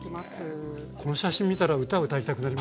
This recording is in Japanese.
この写真見たら歌を歌いたくなりました。